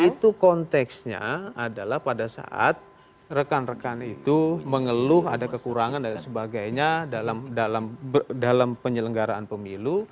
itu konteksnya adalah pada saat rekan rekan itu mengeluh ada kekurangan dan sebagainya dalam penyelenggaraan pemilu